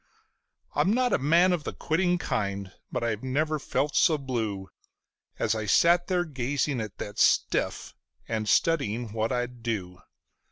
I'm not a man of the quitting kind, but I never felt so blue As I sat there gazing at that stiff and studying what I'd do.